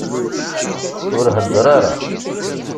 Ur heddeṛ ara!